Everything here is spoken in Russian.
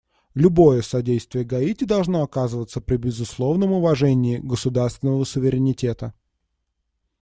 Любое содействие Гаити должно оказываться при безусловном уважении государственного суверенитета.